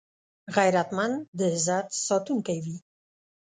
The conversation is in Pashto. غیرتمند د عزت ساتونکی وي